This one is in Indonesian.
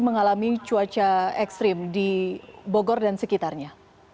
mengalami cuaca ekstrim di bogor dan sekitarnya